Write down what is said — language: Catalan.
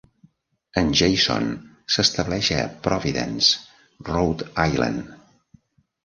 En Jason s'estableix a Providence, Rhode Island.